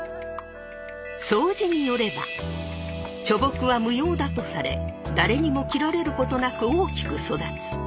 「荘子」によれば「樗木は無用だとされ誰にも切られることなく大きく育つ。